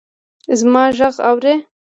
زما ږغ اورې!